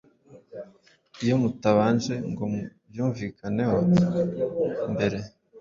Iyo mutabanje ngo mu byumvikaneho mbere